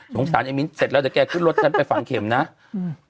สารไอ้มิ้นเสร็จแล้วเดี๋ยวแกขึ้นรถฉันไปฝังเข็มนะอืม